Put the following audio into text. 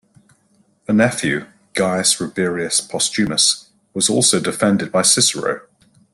A nephew, Gaius Rabirius Postumus was also defended by Cicero.